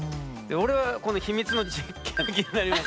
俺はこの秘密の実験って気になりますけどね。